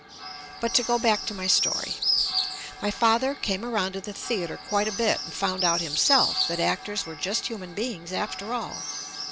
But to go back to my story. My father came around to the theatre quite a bit and found out himself that actors were just human beings after all.